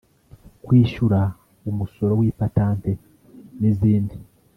kwishyura umusoro w’ipatante n’izindi